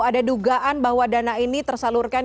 ada dugaan bahwa dana ini tersalurkan